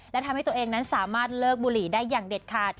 และทำให้ตัวเองนั้นสามารถเลิกบุหรี่ได้อย่างเด็ดขาด